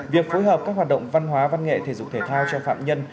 việc phối hợp các hoạt động văn hóa văn nghệ thể dục thể thao cho phạm nhân